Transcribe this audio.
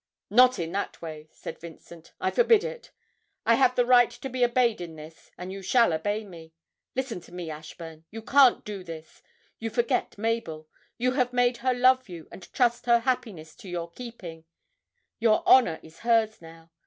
'Not in that way,' said Vincent; 'I forbid it. I have the right to be obeyed in this, and you shall obey me. Listen to me, Ashburn; you can't do this you forget Mabel. You have made her love you and trust her happiness to your keeping; your honour is hers now.